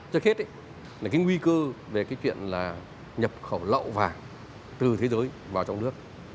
trước hết là cái nguy cơ về cái chuyện là nhập khẩu lậu vàng từ thế giới vào trong nước